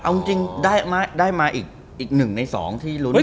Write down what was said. เอาจริงได้มาอีกหนึ่งในสองที่รู้สึก